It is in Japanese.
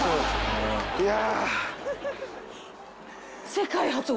いや。